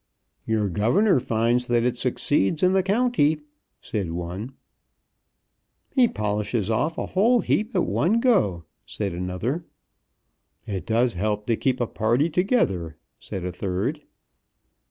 "Your governor finds that it succeeds in the county," said one. "He polishes off a whole heap at one go," said another. "It does help to keep a party together," said a third.